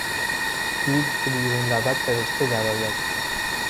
دیو چو بیرون رود فرشته در آید